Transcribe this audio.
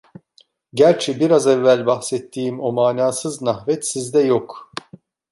Gerçi biraz evvel bahsettiğim o manasız nahvet sizde yok.